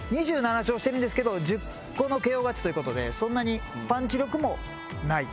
２７勝してるんですけど１０個のＫＯ勝ちということでそんなにパンチ力もない。